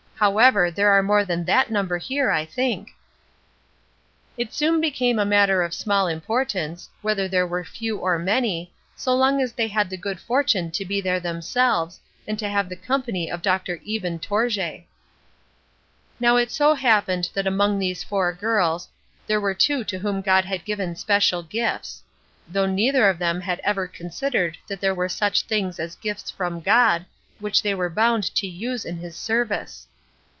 However, there are more than that number here, I think." It soon became a matter of small importance, whether there were few or many, so long as they had the good fortune to be there themselves, and to have the company of Dr. Eben Tourjée. Now it so happened that among these four girls there were two to whom God had given special gifts: though neither of them had ever considered that there were such things as gifts from God, which they were bound to use in his service.